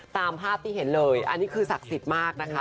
ตามภาพที่เห็นเลยอันนี้คือศักดิ์สิทธิ์มากนะคะ